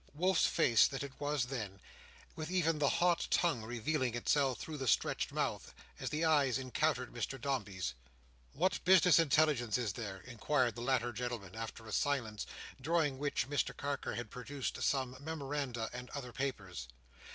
Wolf's face that it was then, with even the hot tongue revealing itself through the stretched mouth, as the eyes encountered Mr Dombey's! "What business intelligence is there?" inquired the latter gentleman, after a silence, during which Mr Carker had produced some memoranda and other papers.